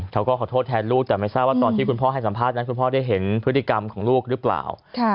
เขาก็ขอโทษแทนลูกแต่ไม่ทราบว่าตอนที่คุณพ่อให้สัมภาษณ์นั้นคุณพ่อได้เห็นพฤติกรรมของลูกหรือเปล่า